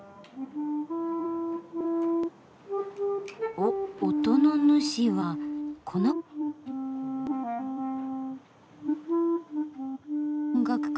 ・おっ音の主はこの子か。